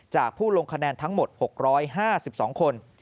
ผู้ลงคะแนนทั้งหมด๖๕๒คน